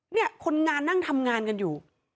เนี่ยคนงานนั่งทำงานกันอยู่